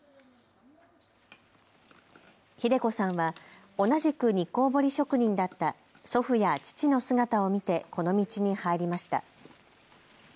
秀子さんは同じく日光彫職人だった祖父や父の姿を見てこの道に入りました。